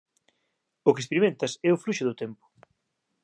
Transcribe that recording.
O que experimentas é o fluxo do tempo.